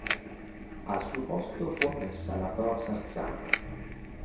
Al suo posto fu ammessa la Pro Sarzana.